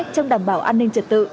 trong đảm bảo an ninh trật tự